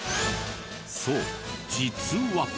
そう実は。